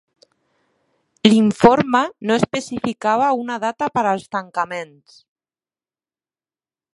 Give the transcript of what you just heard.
L'informe no especificava una data per als tancaments.